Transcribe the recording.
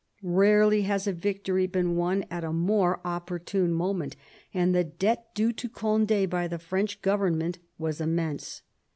Rarely has a victory been won at a more opportune moment, and the debt due to Cond^ by the French government was immense.